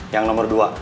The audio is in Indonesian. yang nomor dua